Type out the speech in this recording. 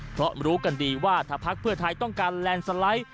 เพราะรู้กันดีว่าถ้าพักเพื่อไทยต้องการแลนด์สไลด์